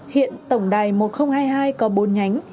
hiện tổng đài một nghìn hai mươi hai có bốn nhánh